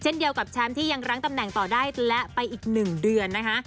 เดียวกับแชมป์ที่ยังรั้งตำแหน่งต่อได้และไปอีก๑เดือนนะคะ